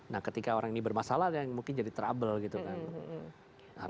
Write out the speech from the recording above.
nah ketika orang ini bermasalah mungkin jadi trouble gitu kan